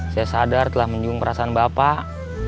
saya sadar telah menyinggung perasaan bapak